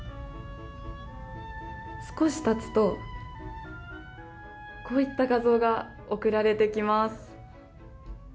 少し経つと、こういった画像が送られてきます。